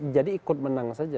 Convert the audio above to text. jadi ikut menang saja